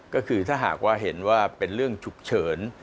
ก็คือถ้าหากว่าเห็นว่าเป็นเรื่องฉุกเฉิน